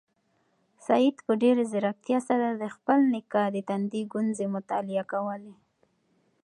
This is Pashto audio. سعید په ډېرې ځیرکتیا سره د خپل نیکه د تندي ګونځې مطالعه کولې.